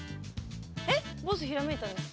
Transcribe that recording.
えっボスひらめいたんですか？